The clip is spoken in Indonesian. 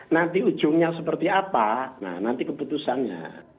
nanti ujungnya seperti apa nah nanti keputusannya